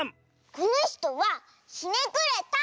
このひとは「ひねくれた」！